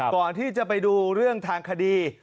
ก่อนที่จะไปดูเรื่องทางคดี